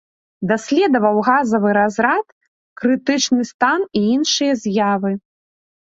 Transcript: Даследаваў газавы разрад, крытычны стан і іншыя з'явы.